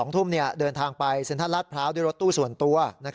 ๒ทุ่มเดินทางไปเซ็นทรัลลาดพร้าวด้วยรถตู้ส่วนตัว